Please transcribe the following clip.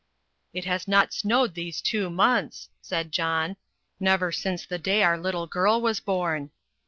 "It has not snowed these two months," said John; "never since the day our little girl was born."